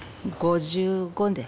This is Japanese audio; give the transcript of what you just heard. ５５です。